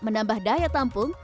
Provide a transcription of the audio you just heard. menambah daya tampung